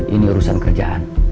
ini urusan kerjaan